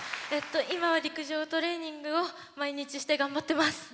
今は陸上トレーニングを毎日して頑張ってます。